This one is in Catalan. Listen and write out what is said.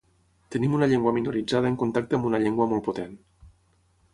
Tenim una llengua minoritzada en contacte amb una llengua molt potent.